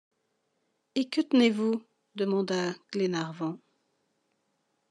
Et que tenez-vous ? demanda Glenarvan.